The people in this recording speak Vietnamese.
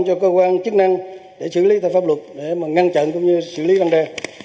cho cơ quan chức năng để xử lý tài pháp luật để ngăn chặn cũng như xử lý văn đề